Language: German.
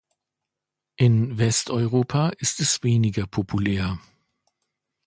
In Westeuropa ist es weniger populär.